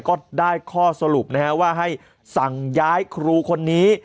ก็ได้ข้อสรุปนะฮะว่าให้สั่งย้ายครูคนนี้